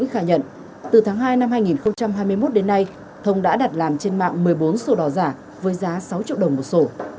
khai nhận từ tháng hai năm hai nghìn hai mươi một đến nay thông đã đặt làm trên mạng một mươi bốn sổ đỏ giả với giá sáu triệu đồng một sổ